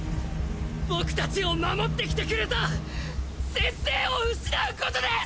僕達を守ってきてくれた先生を失うことです！